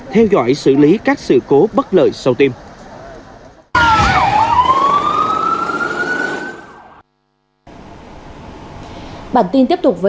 theo dõi xử lý các sự cố bất ngờ